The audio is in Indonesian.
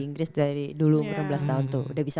inggris dari dulu umur enam belas tahun tuh